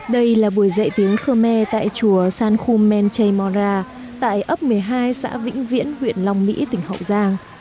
đây là buổi dạy tiếng khmer tại chùa san khu menti mora tại ấp một mươi hai xã vĩnh viễn huyện long mỹ tỉnh hậu giang